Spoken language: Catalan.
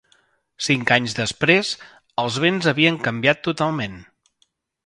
Cinc anys després, els vents havien canviat totalment.